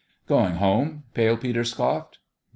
" Going home ?" Pale Peter scoffed.